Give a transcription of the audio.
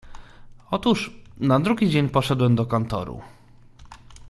"Otóż, na drugi dzień poszedłem do kantoru."